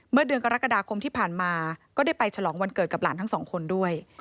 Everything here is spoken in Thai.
เมื่อเดือนกรกฎาคมที่ผ่านมาก็ได้ไปฉลองวันเกิดกับหลานทั้งสองคนด้วย